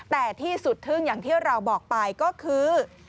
แต่ที่สุดทึ่งอย่างที่เราบอกไปก็คือ